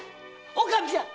おかみさん！